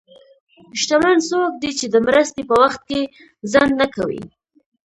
شتمن څوک دی چې د مرستې په وخت کې ځنډ نه کوي.